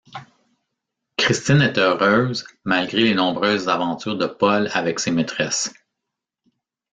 Christine est heureuse malgré les nombreuses aventures de Paul avec ses maîtresses.